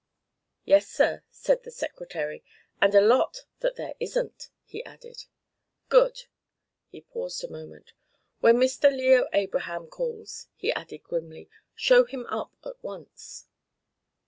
"Yes, Sir," said the Secretary. "And a lot that there isn't," he added. "Good!" He paused a moment. "When Mr. Leo Abraham calls," he added grimly, "show him up at once."